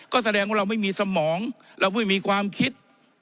ก็แสดงว่าเราไม่มีสมองเราไม่มีความคิด